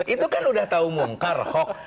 itu kan sudah tahu mungkar hok